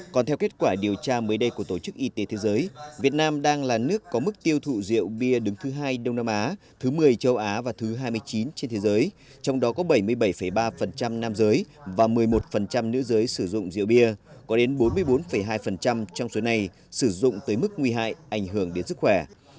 còn theo kết quả điều tra mới đây của tổ chức y tế thế giới việt nam đang là nước có mức tiêu thụ rượu bia đứng thứ hai đông nam á thứ một mươi châu á và thứ hai mươi chín trên thế giới trong đó có bảy mươi bảy ba nam giới và một mươi một nữ giới sử dụng rượu bia có đến bốn mươi bốn hai trong số này sử dụng tới mức nguy hại ảnh hưởng đến sức khỏe